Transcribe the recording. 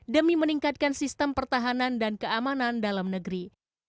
demi meningkatkan sistem pertahanan dan keamanan dalam negeri